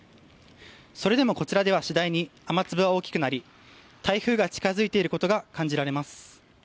それでもこちらでは次第に雨粒は大きくなり台風が近付いていることが感じられます。